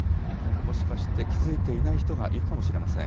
もしかして気付いていない人がいるかもしれません。